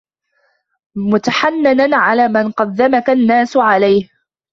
مُتَحَنِّنًا عَلَى مَنْ قَدَّمَك النَّاسُ عَلَيْهِ